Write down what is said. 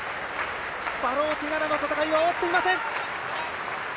バローティガラの戦いは終わっていません。